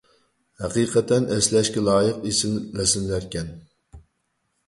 ھەقىقەتەن ئەسلەشكە لايىق ئېسىل رەسىملەركەن.